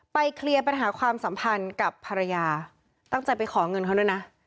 เคลียร์ปัญหาความสัมพันธ์กับภรรยาตั้งใจไปขอเงินเขาด้วยนะ